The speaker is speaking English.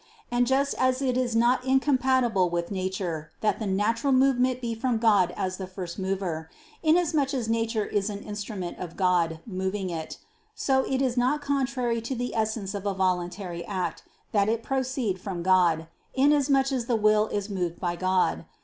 And just as it is not incompatible with nature that the natural movement be from God as the First Mover, inasmuch as nature is an instrument of God moving it: so it is not contrary to the essence of a voluntary act, that it proceed from God, inasmuch as the will is moved by God.